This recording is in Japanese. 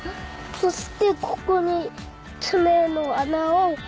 そしてここに爪の穴を。